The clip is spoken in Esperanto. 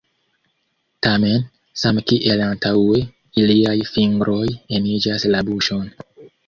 Tamen, same kiel antaŭe, iliaj fingroj eniĝas la buŝon.